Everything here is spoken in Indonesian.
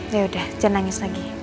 yaudah janangis lagi